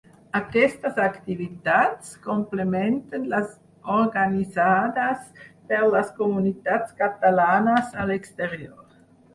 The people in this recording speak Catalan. Aquestes activitats complementen les organitzades per les comunitats catalanes a l’exterior.